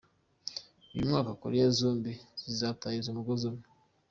Uyu mwaka Koreya zombi zizatahiriza umugozi umwe.